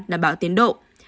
đảm bảo tiến độ